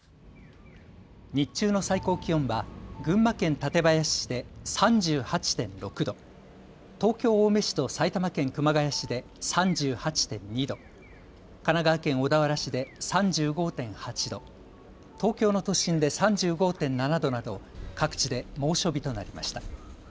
日中の最高気温は群馬県館林市で３８．６度、東京青梅市と埼玉県熊谷市で３８．２度、神奈川県小田原市で３５．８度、東京の都心で３５．７度など各地で猛暑日となりました。